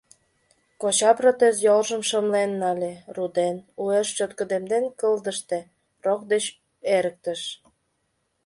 Коча протез йолжым шымлен нале, руден, уэш чоткыдемден кылдыште, рок деч эрыктыш.